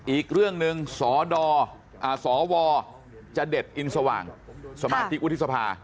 อีกเรื่องหนึ่งสสวจเด็ดอินสว่างสมาชิกวุฒิสภา